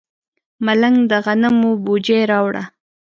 ملنګ د غنمو بوجۍ راوړه.